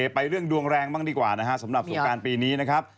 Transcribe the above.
ไปเรื่องดวงแรงบ้างดีกว่านะฮะสำหรับสงการปีนี้นะครับ